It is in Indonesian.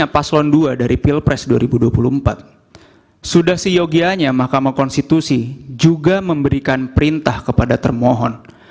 paslon dua dari pilpres dua ribu dua puluh empat sudah seyogianya mahkamah konstitusi juga memberikan perintah kepada termohon